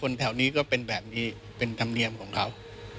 แถวนี้ก็เป็นแบบนี้เป็นธรรมเนียมของเขา